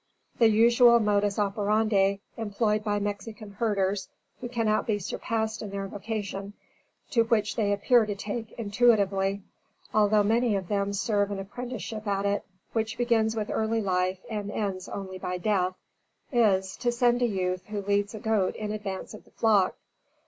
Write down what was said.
The usual modus operandi employed by Mexican herders, who cannot be surpassed in their vocation, to which they appear to take intuitively, although many of them serve an apprenticeship at it, which begins with early life and ends only by death, is, to send a youth who leads a goat in advance of the flock.